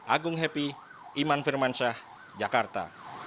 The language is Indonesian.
agung happy iman firmansyah jakarta